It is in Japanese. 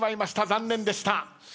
残念でした。